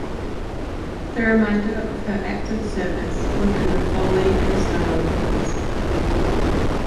The remainder of her active service was in the Folly and Stono Rivers.